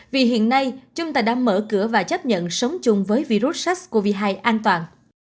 vì hiện nay chúng ta đã mở cửa và chấp nhận sống chung với virus sars cov hai an toàn